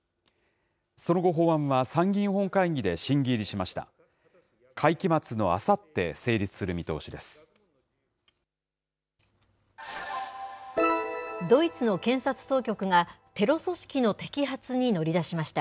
その後、法案は参議院本会議で審議入りしました。